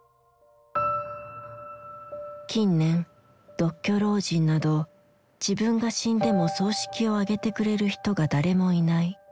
近年独居老人など自分が死んでも葬式をあげてくれる人が誰もいない